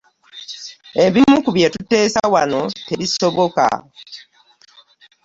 Ebimu ku bye tuteesa wano tebisoboka.